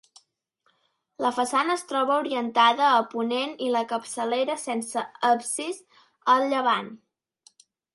La façana es troba orientada a ponent i la capçalera, sense absis, a llevant.